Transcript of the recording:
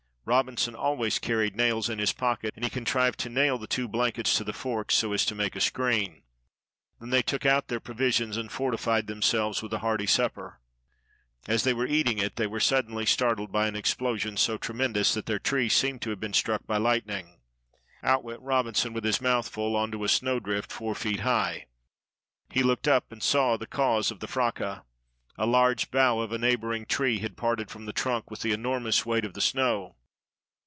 Robinson always carried nails in his pocket, and he contrived to nail the two blankets to the forks so as to make a screen. Then they took out their provisions and fortified themselves with a hearty supper. As they were eating it they were suddenly startled by an explosion so tremendous that their tree seemed to have been struck by lightning. Out went Robinson, with his mouth full, on to a snowdrift four feet high. He looked up and saw the cause of the fracas. A large bough of a neighboring tree had parted from the trunk with the enormous weight of the snow.